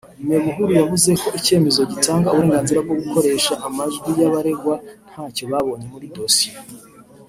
Me Buhuru yavuze ko icyemezo gitanga uburenganzira bwo gukoresha amajwi y’abaregwa ntacyo babonye muri dosiye